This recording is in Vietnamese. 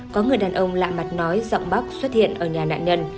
có người đàn ông lạ mặt nói giọng bắp xuất hiện ở nhà nạn nhân